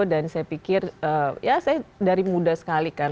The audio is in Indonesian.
dan saya pikir ya saya dari muda sekali kan